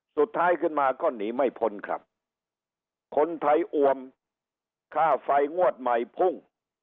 สุดท้ายขึ้นมาก็หนีไม่พ้นครับคนไทยอวมค่าไฟงวดใหม่พุ่ง